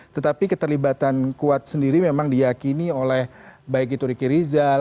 tetapi keterlibatan kuat sendiri memang diyakini oleh baik itu riki rizal